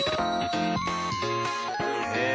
へえ。